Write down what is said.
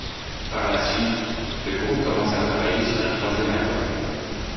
Par la suite, le groupe commence à travailler sur un troisième album.